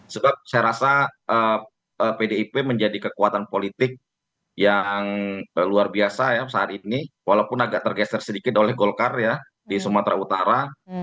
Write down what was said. sebab saya rasa pdip menjadi kekuatan politik yang luar biasa ya saat ini walaupun agak tergeser sedikit oleh golkar ya di sumatera utara